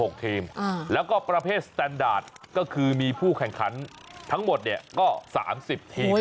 แล้วก็ประเภทสแตนดาร์ดก็คือมีผู้แข่งขันทั้งหมดเนี่ยก็๓๐ทีม